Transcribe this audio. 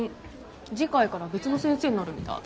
次回から別の先生になるみたい。